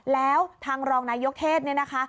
แล้วทางรองนายกเทศเนี่ยนะคะ